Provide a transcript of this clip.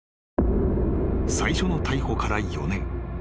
［最初の逮捕から４年。